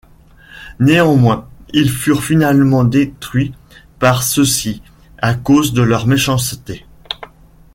Néanmoins ils furent finalement détruits par ceux-ci à cause de leur méchanceté.